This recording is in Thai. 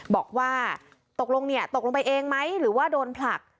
บอกว่าตกลงเนี่ยตกลงไปเองไหมหรือว่าโดนผลัก